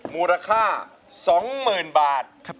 มูลค่า๒หมื่นบาท